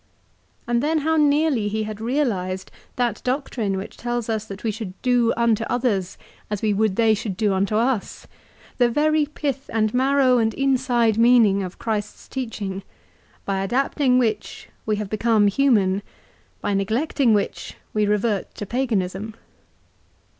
And then how nearly he had realised that doctrine which tells us that we should do unto others as we would they should do unto us, the very pith and marrow and inside meaning of Christ's teaching, by adapting which we have become human, by neglecting which we revert to paganism.